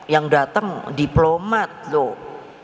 yang datang diplomat tuh